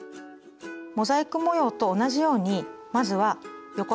モザイク模様と同じようにまずは横と縦に十字に糸を刺します。